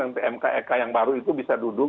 dan pmk ek yang baru itu bisa duduk